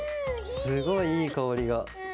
すごいいいかおりが。